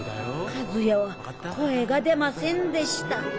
和也は声が出ませんでした。